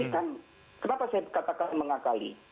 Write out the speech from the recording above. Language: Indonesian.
kenapa saya katakan mengakali